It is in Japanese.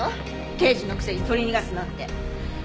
刑事のくせに取り逃がすなんて。